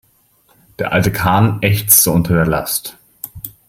Der alte Kahn ächzte unter der Last.